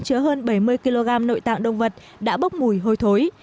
chứa hơn bảy mươi kg nội tạng động vật đã bốc mùi hôi thối